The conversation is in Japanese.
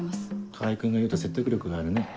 川合君が言うと説得力があるね。